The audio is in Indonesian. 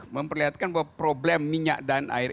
memperlihatkan bahwa problem minyak dan air